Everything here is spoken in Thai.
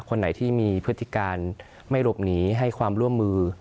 คนไหนที่มีพฤติการไม่หลบหนีให้ความร่วมมือ